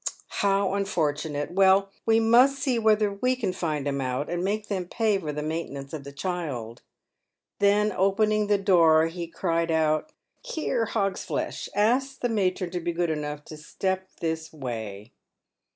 Tut ! tut ! how unfortunate ; well, we must see whether we can find 'em out, and make them pay for the maintenance of the child." Then opening the door, he cried out :" Here, Hogsflesh, ask the matron to be good enough to step. this way."